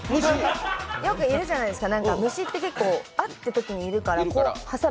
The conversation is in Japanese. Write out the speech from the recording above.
よくいるじゃないですか、虫って結構「あっ」てときにいるから、挟む。